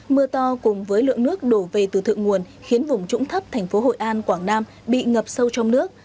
mưa to cùng với lượng nước đổ về từ thượng nguồn khiến vùng trũng thấp thành phố hội an quảng nam bị ngập sâu trong nước